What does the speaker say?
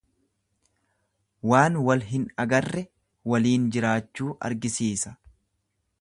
Waan wal hin agarre waliin jiraachuu argisiisa.